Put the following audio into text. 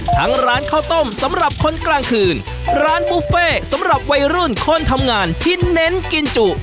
ร้านข้าวต้มสำหรับคนกลางคืนร้านบุฟเฟ่สำหรับวัยรุ่นคนทำงานที่เน้นกินจุ